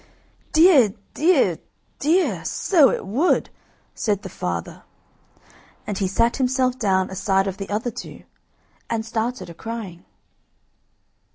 "Dear, dear, dear! so it would!" said the father, and he sat himself down aside of the other two, and started a crying.